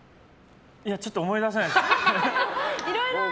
ちょっと思い出せないです。